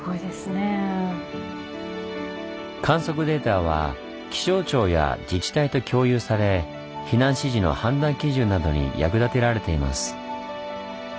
観測データは気象庁や自治体と共有され避難指示の判断基準などに役立てられています。